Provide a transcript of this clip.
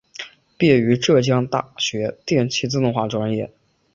毕业于浙江大学电气自动化专业。